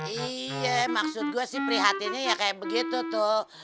iya maksud gue sih prihatinnya ya kayak begitu tuh